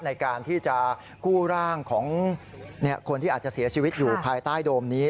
ในการที่จะกู้ร่างของคนที่อาจจะเสียชีวิตอยู่ภายใต้โดมนี้